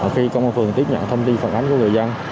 khi công an phường tiếp nhận thông tin phản ánh của người dân